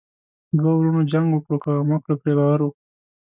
ـ دوه ورونو جنګ وکړو کم عقلو پري باور وکړو.